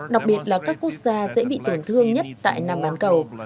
đặc biệt là các quốc gia sẽ bị tổn thương nhất tại nam án cầu